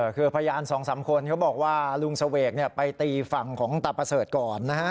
คือพยานสองสามคนเขาบอกว่าลุงเสวกไปตีฝั่งของตาประเสริฐก่อนนะฮะ